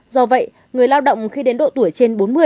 do vậy người lao động khi đến độ tuổi trên bốn mươi